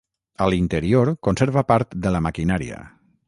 A l'interior conserva part de la maquinària.